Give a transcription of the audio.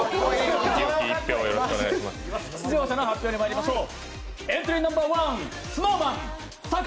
出場者の発表にまいりましょう。